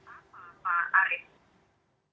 apa pak arief